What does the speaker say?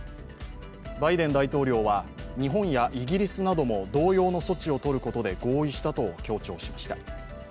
バイデン大統領は日本やイギリスなども同様の措置を取ることで合意したと強調しました。